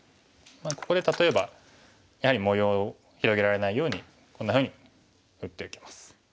ここで例えばやはり模様を広げられないようにこんなふうに打っておきます。